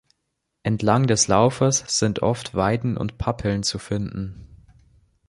Entlang des Laufes sind oft Weiden und Pappeln zu finden.